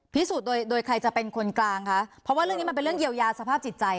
พิสูจน์โดยใครจะเป็นคนกลางเพราะว่าเรื่องนี้คงจะเป็นเยียวยาสภาพจิตใจ